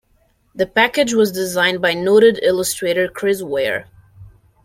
The package was designed by noted illustrator Chris Ware.